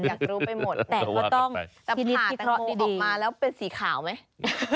อยากรู้ไปหมดแต่เขาต้องทิศที่เคราะห์ดีแต่พาตังโมออกมาแล้วเป็นสีขาวไหม